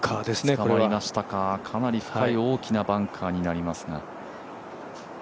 つかまりましたか、かなり深い大きなバンカーになりますが。